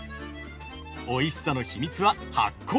おいしさの秘密は発酵。